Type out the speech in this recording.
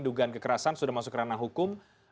dugaan kekerasan sudah masuk ke ranah hukum